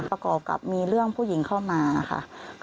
ประกอบกับมีเรื่องผู้หญิงเข้ามาค่ะ